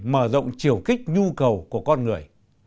mở rộng chiều kích nhu cầu của con người